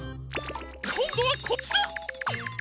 こんどはこっちだ！